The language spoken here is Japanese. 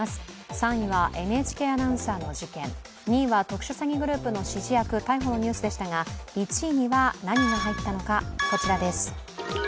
３位は、ＮＨＫアナウンサーの事件、２位は特殊詐欺グループの指示役逮捕のニュースでしたが１位には何が入ったのか、こちらです。